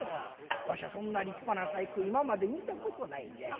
わしゃそんな立派な細工今まで見たことないんじゃい。